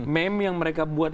meme yang mereka buat